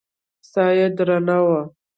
ساه يې درنه وه.